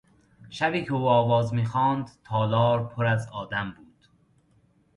شبی که او آواز میخواند تالار پر از آدم بود.